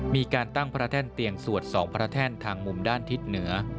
มีการตั้งพระแท่นเตียงสวดสองพระแท่นทางมุมด้านทิศเหนือ